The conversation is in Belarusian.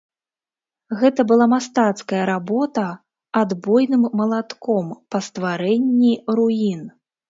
Гэта была мастацкая работа адбойным малатком па стварэнні руін.